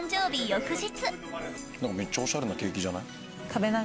翌日。